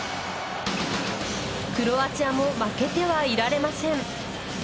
クロアチアも負けてはいられません。